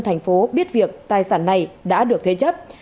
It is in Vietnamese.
thành phố biết việc tài sản này đã được thế chấp